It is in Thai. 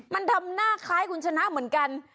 มันทำหน้าคล้ายคุณชนะเหมือนกัน